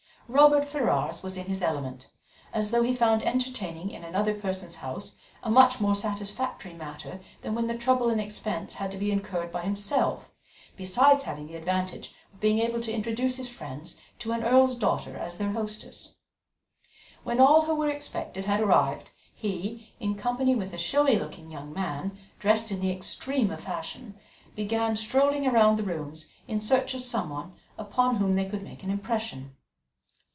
Robert Ferrars was in his element, as though he found entertaining in another person's house a much more satisfactory matter than when the trouble and expense had to be incurred by himself, besides having the advantage of being able to introduce his friends to an earl's daughter as their hostess. When all who were expected had arrived, he, in company with a showy looking young man, dressed in the extreme of fashion, began strolling about the rooms in search of someone upon whom they could make an impression.